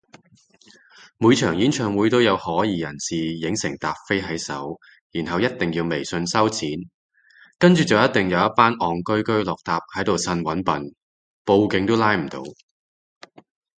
每場演唱會都有可疑人士影成疊飛喺手然後一定要微信收錢，跟住就一定會有一班戇居居落疊喺度呻搵笨，報警都拉唔到